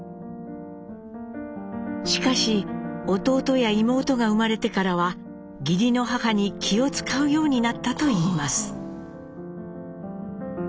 しかし弟や妹が生まれてからは義理の母に気を遣うようになったといいます。